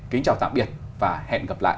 kính chào tạm biệt và hẹn gặp lại